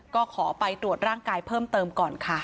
ก็ขอไปตรวจร่างกายเพิ่มเติมก่อนค่ะ